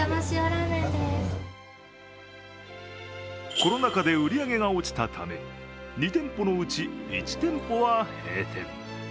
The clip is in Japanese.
コロナ禍で売り上げが落ちたため２店舗のうち１店舗は閉店。